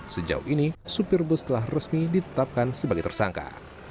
sejauh ini supir bus telah resmi ditetapkan sebagai tersangka